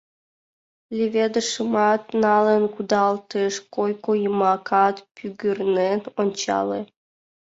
Леведышымат налын кудалтыш, койко йымакат пӱгырнен ончале.